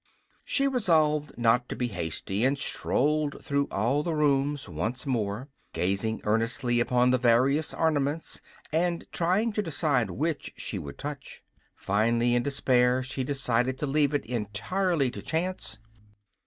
She resolved not to be hasty, and strolled through all the rooms once more, gazing earnestly upon the various ornaments and trying to decide which she would touch. Finally, in despair, she decided to leave it entirely to chance.